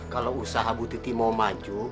kalau usaha bu titi mau maju